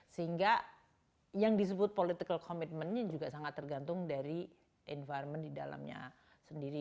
sehingga yang disebut political commitmentnya juga sangat tergantung dari environment di dalamnya sendiri